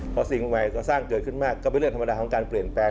พอสิ่งใหม่ก่อสร้างเกิดขึ้นมากก็เป็นเรื่องธรรมดาของการเปลี่ยนแปลง